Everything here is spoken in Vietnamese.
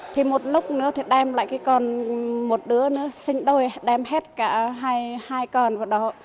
thì một lúc nữa thì đem lại cái con một đứa nó sinh đôi đem hết cả hai con vào đó